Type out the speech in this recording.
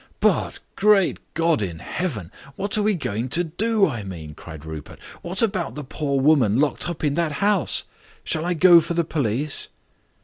"But, great God in Heaven! What are we going to do, I mean!" cried Rupert. "What about the poor woman locked up in that house? Shall I go for the police?"